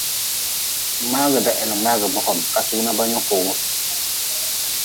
Mngaagda heli mngaagʼbe hom kasug na ba nyoki wu.